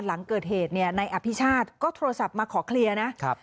หลังเกิดเหตุในอภิชาธิ์ก็โทรศัพท์มาขอเคลียร์นะ